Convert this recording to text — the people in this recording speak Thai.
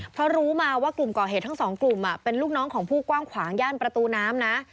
เพราะรู้มาว่ากลุ่มก่อเหตุทั้งสองกลุ่มเป็นลูกน้องของผู้กว้างขวางย่านประตูน้ำนะ